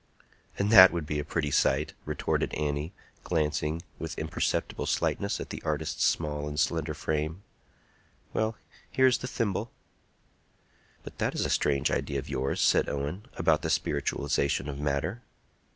"And that would be a pretty sight!" retorted Annie, glancing with imperceptible slightness at the artist's small and slender frame. "Well; here is the thimble." "But that is a strange idea of yours," said Owen, "about the spiritualization of matter."